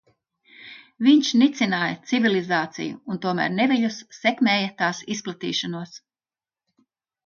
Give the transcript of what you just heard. Viņš nicināja civilizāciju un tomēr neviļus sekmēja tās izplatīšanos.